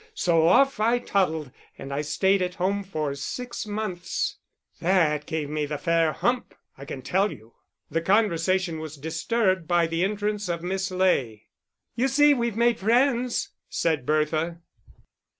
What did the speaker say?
So off I toddled, and I stayed at home for six months. That gave me the fair hump, I can tell you." The conversation was disturbed by the entrance of Miss Ley. "You see we've made friends," said Bertha.